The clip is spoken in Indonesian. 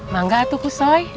mangga tuh kusoi